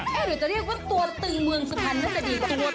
หรือจะเรียกว่าตัวตึงเมืองสุพรรณก็จะดีกว่า